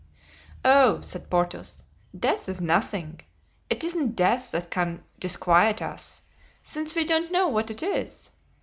"Oh," said Porthos, "death is nothing: it isn't death that can disquiet us, since we don't know what it is.